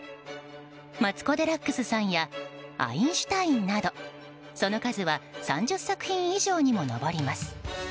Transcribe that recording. マツコ・デラックスさんやアインシュタインなどその数は３０作品以上にも上ります。